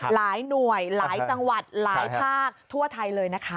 หลายหน่วยหลายจังหวัดหลายภาคทั่วไทยเลยนะคะ